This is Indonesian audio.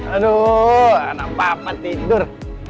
aduh anak papa tidur